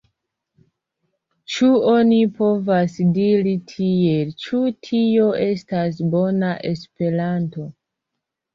Ĉu oni povas diri tiel, ĉu tio estas bona Esperanto?